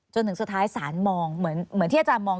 จนถึงสุดท้ายศาลมองเหมือนที่อาจารย์มอง